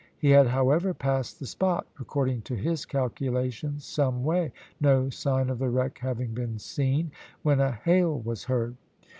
He had, however, passed the spot, according to his calculations, some way, no sign of the wreck having been seen, when a hail was heard.